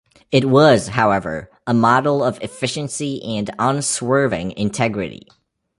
It was, however, a model of efficiency and unswerving integrity.